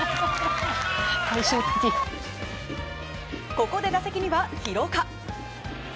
ここで打席には廣岡。